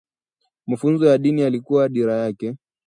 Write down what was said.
Mafunzo ya dini yalikuwa dira kwake